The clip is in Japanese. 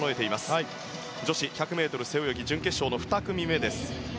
続いて女子１００ｍ背泳ぎ準決勝の２組目。